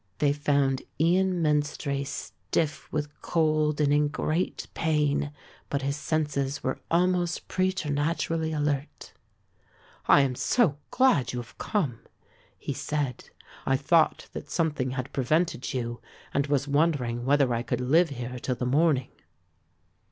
They found Ian Menstrie stiff with cold and in great pain, but his senses almost preternaturally alert. "I am so glad you have come," he said. "I thought that something had prevented you and was wondering whether I could live here till the morning."